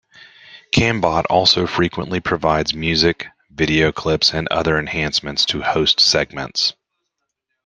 Cambot also frequently provides music, video clips, and other enhancements to host segments.